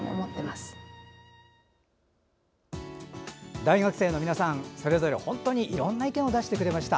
大学生の皆さんそれぞれいろんな意見を出してくれました。